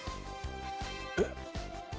えっ？